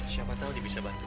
siapa tahu dia bisa bantu